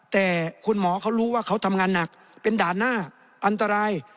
แต่คุณหมอเขารู้ว่าเขาทำงานหนักเป็นด่านหน้าอันตราย